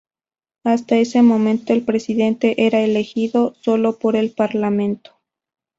Hasta ese momento, el presidente era elegido sólo por el parlamento.